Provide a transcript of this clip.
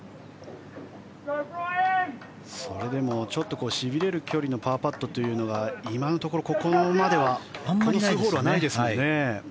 それでもちょっとしびれる距離のパーパットというのは今のところ、ここまではないですよね。